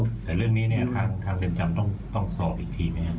แต่เรื่องนี้เนี่ยทางเรือนจำต้องสอบอีกทีนะครับ